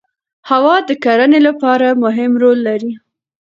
هوا د کرنې لپاره مهم رول لري